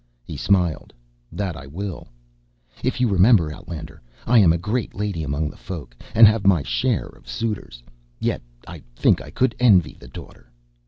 He smiled. "That I will." "If you remember, outlander. I am a great lady among the Folk and have my share of suitors, yet I think I could envy the Daughter.